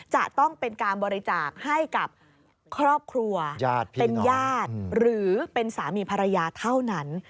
จะต้องเป็นการบริจาคให้กับครอบครัวเป็นญาติหรือเป็นสามีภรรยาเท่านั้น